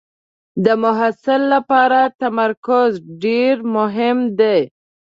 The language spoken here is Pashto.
د محصل لپاره تمرکز ډېر مهم دی.